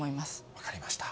分かりました。